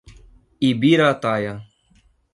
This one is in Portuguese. Ibirataia